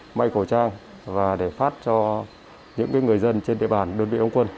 để phát khẩu trang và để phát cho những người dân trên cây bàn đơn vị ông quân